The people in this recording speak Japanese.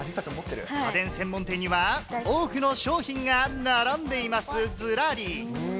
家電専門店には多くの商品が並んでいます、ずらり。